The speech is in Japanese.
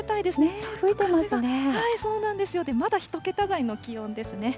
ちょっと風が、そうなんですよ、まだ１桁台の気温ですね。